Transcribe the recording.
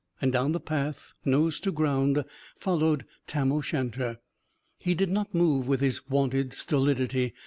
And down the path, nose to ground, followed Tam o' Shanter. He did not move with his wonted stolidity.